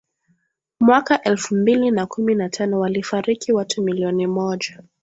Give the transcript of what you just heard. mwaka elfu mbili na kumi na tano walifariki watu milioni moja